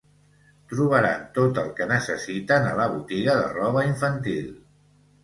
Trobaran tot el que necessiten a la botiga de roba infantil.